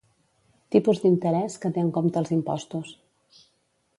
Tipus d'interès que té en compte els impostos.